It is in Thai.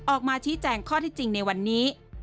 ออกมาชี้แจงข้อที่จริงในวันนี้